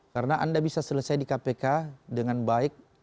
karena anda bisa selesai di kpk dengan baik